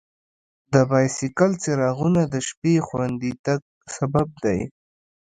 د بایسکل څراغونه د شپې خوندي تګ سبب دي.